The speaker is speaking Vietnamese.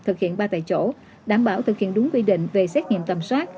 thực hiện ba tại chỗ đảm bảo thực hiện đúng quy định về xét nghiệm tầm soát